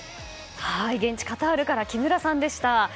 現地カタールから木村さんでした。